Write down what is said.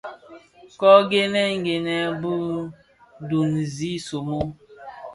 Ko ghènèn ghènèn bi döön zi somo.